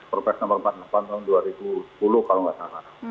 perpres nomor empat puluh delapan tahun dua ribu sepuluh kalau nggak salah